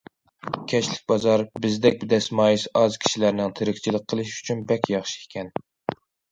كەچلىك بازار بىزدەك دەسمايىسى ئاز كىشىلەرنىڭ تىرىكچىلىك قىلىشى ئۈچۈن بەك ياخشى ئىكەن.